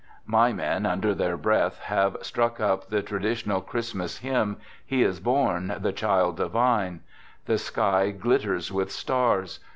My men, under their breath, have struck up the traditional Christmas hymn, " He is born, the Child Divine." The sky glitters with stars.